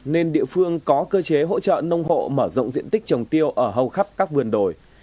nên địa phương có cơ chế hỗ trợ nông hộ mở rộng diện tích trồng tiêu ở hầu khắp các vườn đồi